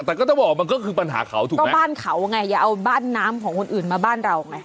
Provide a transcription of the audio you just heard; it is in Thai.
แต่ก็ต้องบอกมันก็คือปัญหาเขาถูกไหมก็บ้านเขาไงอย่าเอาบ้านน้ำของคนอื่นมาบ้านเราไง